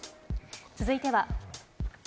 続いては。